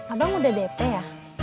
abang udah dp ya